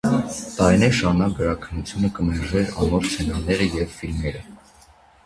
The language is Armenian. Տարիներ շարունակ գրաքննութիւնը կը մերժէր անոր սցենարները եւ ֆիլմերը։